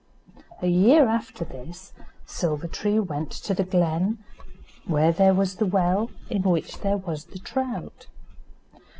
A year after this Silver tree went to the glen, where there was the well in which there was the trout.